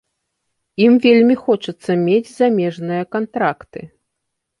Ім вельмі хочацца мець замежныя кантракты.